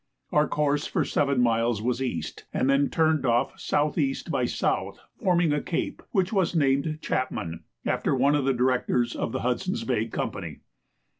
Our course for seven miles was east, and then turned off S.E. by S. forming a cape, which was named Chapman, after one of the Directors of the Hudson's Bay Company.